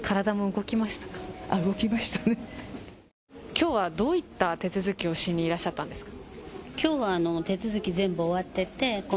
きょうはどういった手続きをしにいらっしゃったんですか。